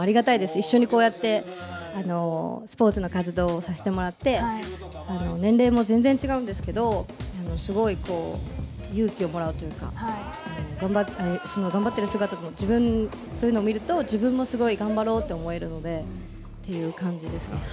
一緒にこうやって、スポーツの活動をさせてもらって、年齢も全然違うんですけど、すごい勇気をもらうというか、頑張っている姿を、そういうのを見ると、自分もすごい頑張ろうって思えるので、という感じですね。